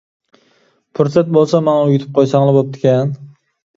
پۇرسەت بولسا ماڭا ئۆگىتىپ قويساڭلا بوپتىكەن.